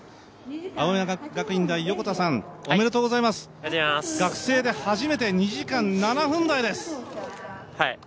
青山学院大・横田さん、おめでとうございます。学生で初めて２時間７分台です。